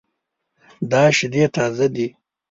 دا شیدې تازه دي